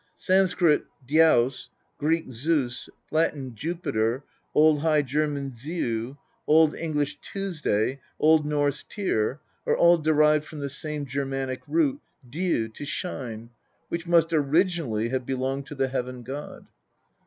Sanskrit dyam, Greek Zeus, Latin /wpiter, Old High German Ziu, Old English 7'wesday, Old Norse Tyr, are all derived from the same Germanic root div, to shine, which must originally have belonged to the Heaven god.